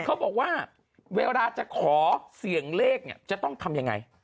เขาบอกว่าเวลาจะขอเสี่ยงเลขเนี่ยจะต้องทำยังไง